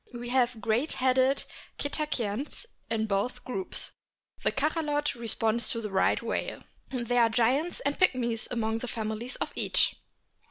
We have great headed Cetaceans in both groups. The Cachalot corresponds to the Right whale. There are giants and pigmies among the families of each.